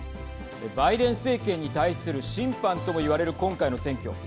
バイデン政権に対する審判ともいわれる今回の選挙。